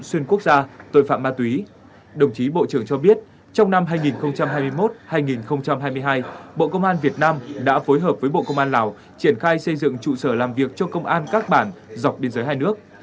xuyên quốc gia tội phạm ma túy đồng chí bộ trưởng cho biết trong năm hai nghìn hai mươi một hai nghìn hai mươi hai bộ công an việt nam đã phối hợp với bộ công an lào triển khai xây dựng trụ sở làm việc cho công an các bản dọc biên giới hai nước